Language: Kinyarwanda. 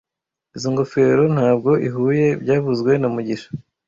Izoi ngofero ntabwo ihuye byavuzwe na mugisha